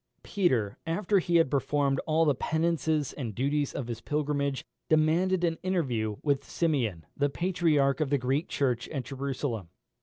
Peter, after he had performed all the penances and duties of his pilgrimage, demanded an interview with Simeon, the Patriarch of the Greek Church at Jerusalem.